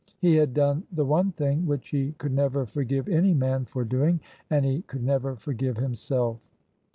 He had done the one thing which he could never forgive any man for doing, and he could never forgive himself.